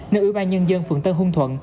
nên ủy ban nhân dân phường tân hưng thuận